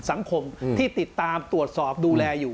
สังคมที่ติดตามตรวจสอบดูแลอยู่